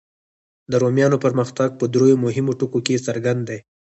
د رومیانو پرمختګ په دریو مهمو ټکو کې څرګند دی.